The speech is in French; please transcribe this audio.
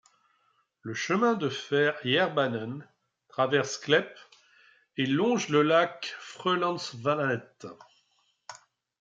Le chemin de fer Jærbanen traverse Klepp et longe le lac Frøylandsvatnet.